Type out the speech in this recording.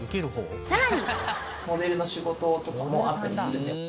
さらにモデルの仕事とかもあったりするんで。